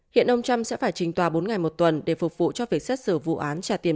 hiện ông trump sẽ phải trình tòa bốn ngày một tuần để phục vụ cho việc xét xử vụ án trả tiền